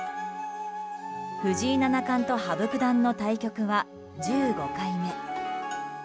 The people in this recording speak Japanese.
藤井七冠と羽生九段の対局は１５回目。